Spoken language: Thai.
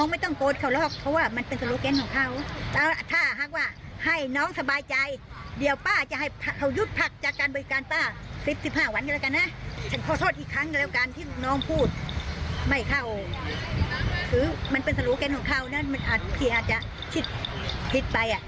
ไม่เข้าคือมันเป็นสรุปกันของเขาพี่อาจจะคิดไป